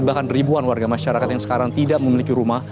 bahkan ribuan warga masyarakat yang sekarang tidak memiliki rumah